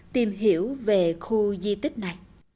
tìm hiểu về khu di tích này